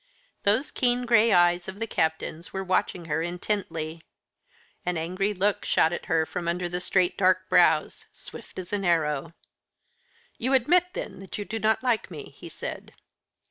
Those keen gray eyes of the Captain's were watching her intently. An angry look shot at her from under the straight dark brows swift as an arrow. "You admit then that you do not like me?" he said.